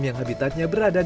yang habitatnya berada di